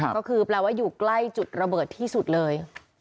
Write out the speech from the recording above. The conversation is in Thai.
ก็คือแปลว่าอยู่ใกล้จุดระเบิดที่สุดเลย